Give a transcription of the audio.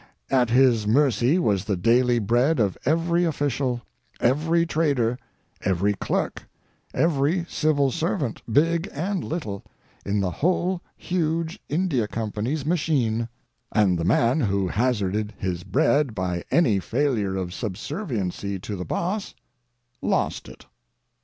At his mercy was the daily bread of every official, every trader, every clerk, every civil servant, big and little, in the whole huge India Company's machine, and the man who hazarded his bread by any failure of subserviency to the boss lost it.